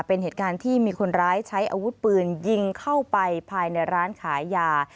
เป็นเหตุการณ์ที่มีคนร้ายใช้อาวุธปืนยิงเข้าไปภายในร้านขายยา